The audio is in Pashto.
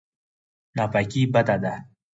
ناپاکي بده ده.